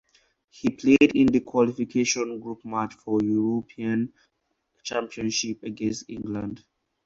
He played in the qualification group match for European Championship against England.